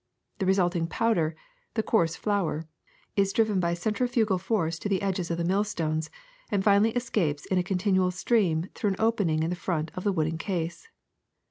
The resulting powder, the coarse flour, is driven by centrifugal force to the edges of the millstones, and finally escapes in a continual stream through an opening in the front of the wooden case.